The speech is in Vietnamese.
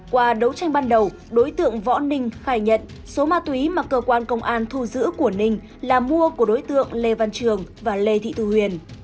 qua đấu tranh ban đầu đối tượng võ ninh khai nhận số ma túy mà cơ quan công an thu giữ của ninh là mua của đối tượng lê văn trường và lê thị thu huyền